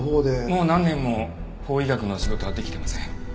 もう何年も法医学の仕事は出来てません。